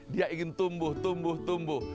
dia ingin tumbuh tumbuh tumbuh